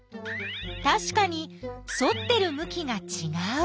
たしかに反ってるむきがちがう。